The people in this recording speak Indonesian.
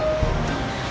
uh makasih ya